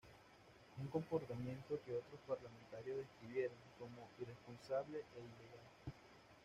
Un comportamiento que otros parlamentarios describieron como "irresponsable e ilegal".